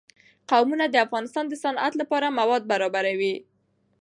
قومونه د افغانستان د صنعت لپاره مواد برابروي.